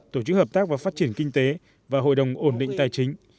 tổ chức hợp tác và phát triển kinh tế và hội đồng ổn định tài chính